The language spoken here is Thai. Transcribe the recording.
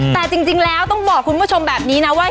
แต่จริงแล้วต้องบอกคุณผู้ชมแบบนี้นะว่า